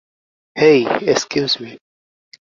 Hey, excuse me!